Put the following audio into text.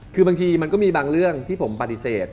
คือบางทีมันก็มีบางเรื่องที่ผมปฏิเสธ